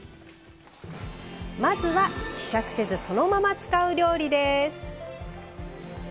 まずは希釈せずそのまま使う料理です。